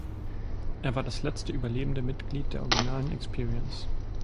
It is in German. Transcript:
Er war das letzte überlebende Mitglied der originalen Experience.